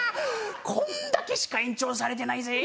こんだけしか延長されてないぜ。